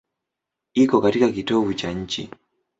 Iko katika kitovu cha nchi.